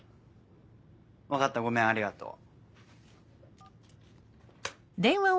分かったごめんありがとう。